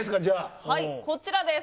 はいこちらです。